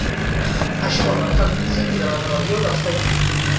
Això va marcar el principi de la Rebel·lió dels Taiping.